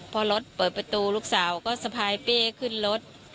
พอรถเปิดประตูลูกสาวก็สะพายเป้ขึ้นรถ